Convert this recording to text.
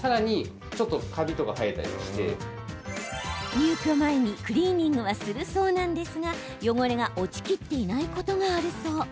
入居前にクリーニングはするそうなんですが、汚れが落ちきっていないことがあるそう。